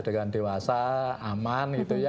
dengan dewasa aman gitu ya